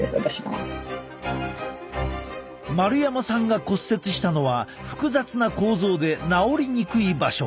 丸山さんが骨折したのは複雑な構造で治りにくい場所。